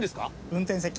運転席。